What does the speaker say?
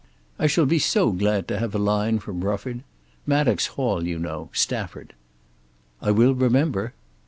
"I shall be so glad to have a line from Rufford. Maddox Hall, you know; Stafford." "I will remember."